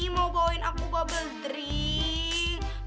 mau bawain aku bubble tri